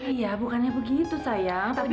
iya bukannya begitu sayang